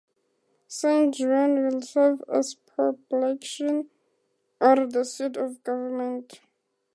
San Juan will serve as poblacion or the seat of government.